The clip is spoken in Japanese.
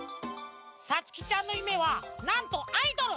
さつきちゃんのゆめはなんとアイドル！